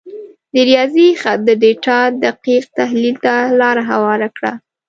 د ریاضي خط د ډیټا دقیق تحلیل ته لار هواره کړه.